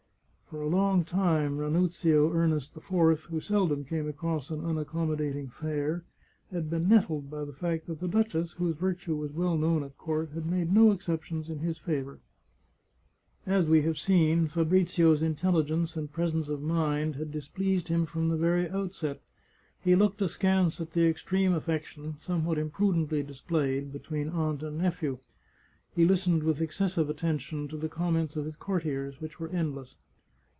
For a long time Ranuzio Ernest IV, who seldom came across an unaccommodating fair, had been nettled by the fact that the duchess, whose virtue was well known at court, had made no exception in his favour. As we have seen, Fabrizio's intelligence and presence of mind had dis pleased him from the very outset ; he looked askance at the extreme affection, somewhat imprudently displayed, be tween aunt and nephew. He listened with excessive atten tion to the comments of his courtiers, which were endless.